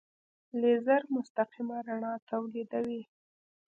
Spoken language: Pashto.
لیزر مستقیمه رڼا تولیدوي.